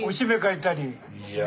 いや。